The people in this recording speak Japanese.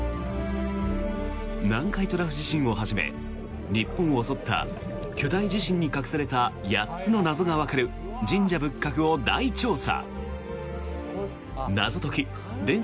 南海トラフ地震をはじめ日本を襲った巨大地震に隠された８つの謎がわかる神社仏閣を大調査。